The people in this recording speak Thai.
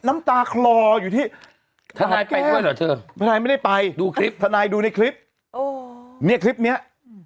ไม่ได้ไม่ได้ไปทันายดูในคลิปเนี่ยคลิปเนี้ย